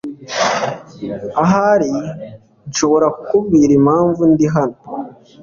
Ahari nshobora kukubwira impamvu ndi hano.